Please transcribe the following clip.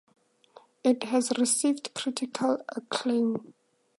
It has received critical acclaim.